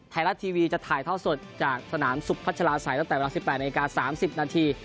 ไทยรัฐทีวีจะถ่ายท่อสดจากสนามสุพัชลาศัยตั้งแต่เวลา๑๘นาที๓๐นาที